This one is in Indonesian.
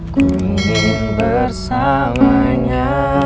ku ingin bersamanya